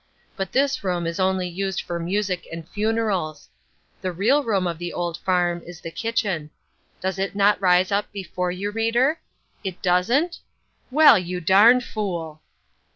But this room is only used for music and funerals. The real room of the old farm is the kitchen. Does it not rise up before you, reader? It doesn't? Well, you darn fool!